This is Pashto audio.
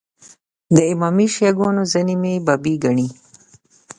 د امامي شیعه ګانو ځینې مې بابي ګڼي.